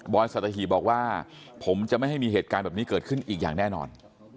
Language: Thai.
สัตหีบบอกว่าผมจะไม่ให้มีเหตุการณ์แบบนี้เกิดขึ้นอีกอย่างแน่นอน